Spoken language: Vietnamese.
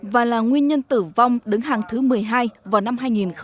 và là nguyên nhân tử vong đứng hàng thứ một mươi hai vào năm hai nghìn một mươi